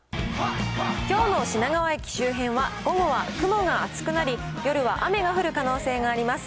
きょうの品川駅周辺は、午後は雲が厚くなり、夜は雨が降る可能性があります。